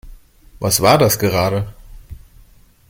Was war das gerade?